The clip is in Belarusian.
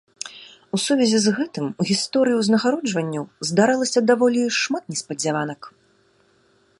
У сувязі з гэтым у гісторыі узнагароджанняў здаралася даволі шмат неспадзяванак.